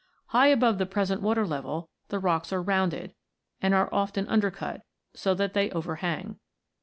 High above the present water level, the rocks are rounded, and are often undercut, so that they overhang (Fig.